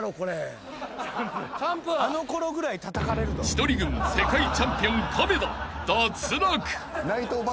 ［千鳥軍世界チャンピオン亀田脱落］